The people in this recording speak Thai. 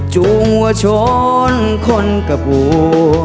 จูงว่าโชนคนกับหัว